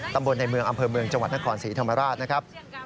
ตำบลในเมืองอำเภอเมืองจังหวัดนครศรีธรรมราชนะครับ